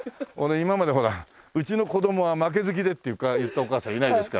今までほら「うちの子供は負け好きで」って言ったお母さんいないですから。